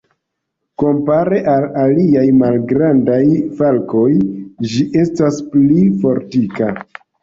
Kompare al aliaj malgrandaj falkoj, ĝi estas pli fortika.